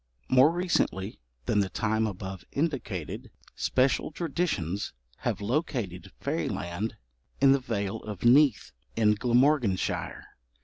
More recently than the time above indicated, special traditions have located fairyland in the Vale of Neath, in Glamorganshire.